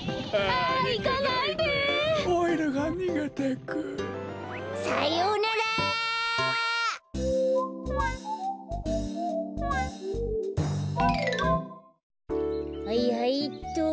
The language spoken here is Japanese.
はいはいっと。